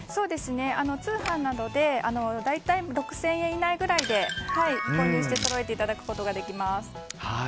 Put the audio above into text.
通販などで大体６０００円以内ぐらいで購入してそろえていただくことができます。